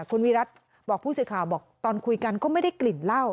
คุณวิรัติบอกผู้สื่อข่าวบอกตอนคุยกันก็ไม่ได้กลิ่นเหล้า